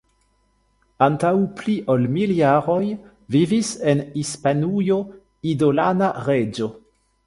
Antaŭ pli ol mil jaroj vivis en Hispanujo idolana reĝo.